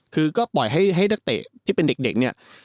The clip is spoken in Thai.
คือก็ปล่อยให้นักเตะที่เป็นเด็กเนี่ย